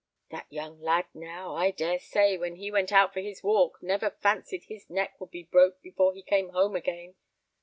That young lad now, I dare say, when he went out for his walk, never fancied his neck would be broke before he came home again.